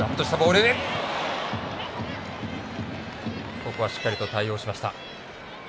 ここは、しっかりと対応しました。